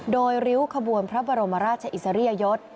โดยริ้วขบวนพระบรมราชอิสริยยศ